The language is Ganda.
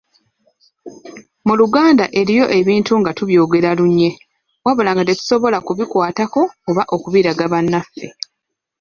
Mu Luganda eriyo ebintu nga tubyogera lunye wabula nga tetusobola kubikwatako oba okubiraga bannaffe